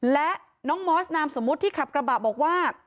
และน้องมอสนามสมมุติที่ขับกระบะบอกว่า